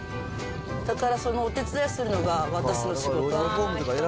だからそのお手伝いをするのが私の仕事。